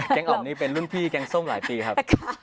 อ่อมนี่เป็นรุ่นพี่แกงส้มหลายปีครับ